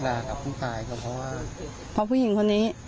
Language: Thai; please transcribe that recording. ถ้าเจอหน้าก็